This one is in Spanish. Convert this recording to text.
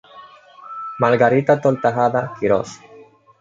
Margarita Tortajada Quiroz.